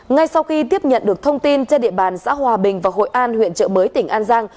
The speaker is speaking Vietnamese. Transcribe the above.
ngay sau khi tiếp nhận được thông tin trên địa bàn xã hòa bình và hội an huyện trợ mới tỉnh an giang